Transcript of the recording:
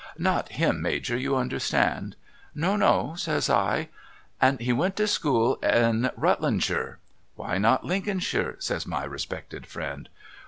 Not him. Major, you understand ?'' No, no,' says I. ' And he went to school in Rutlandshire '' Why not Lincolnshire ?' says my respected friend.